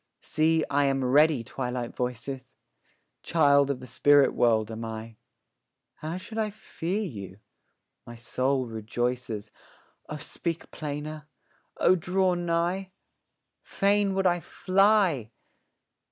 See, I am ready, Twilight voices! Child of the spirit world am I; How should I fear you? my soul rejoices, O speak plainer! O draw nigh! Fain would I fly!